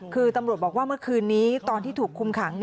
คือตำรวจบอกว่าเมื่อคืนนี้ตอนที่ถูกคุมขัง